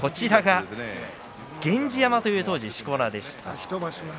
源氏山という当時しこ名でした。